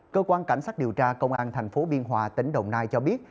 cơ quan cảnh sát điều tra công an thành phố biên hòa tỉnh đồng nai cho biết